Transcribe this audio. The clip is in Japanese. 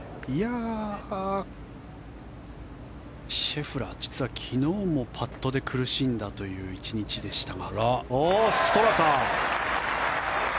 シェフラー、実は昨日もパットで苦しんだという１日でしたが。